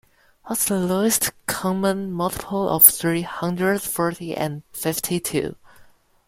What's the lowest common multiple of three hundred forty and fifty-two?